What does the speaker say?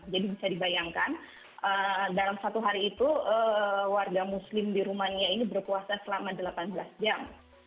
jadi bisa dibayangkan dalam satu hari itu warga muslim di rumania ini berpuasa selama delapan belas jam